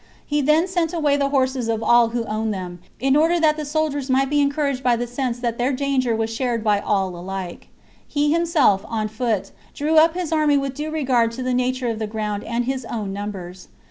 He then sent away the horses of all who owned them, in order that the soldiers might be encouraged by the sense that their danger was shared by all alike. He himself, on foot, then drew up his army with due re gard to the nature of the ground and his own numbers.